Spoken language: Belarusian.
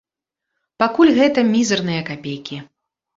Пакуль гэта мізэрныя капейкі.